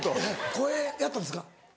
声やったんですか？